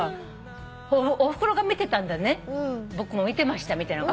「おふくろが見てたんで僕も見てました」みたいなことを。